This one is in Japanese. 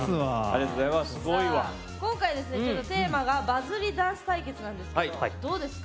今回、テーマがバズりダンス対決なんですがどうですか？